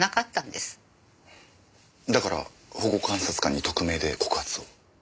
だから保護観察官に匿名で告発を？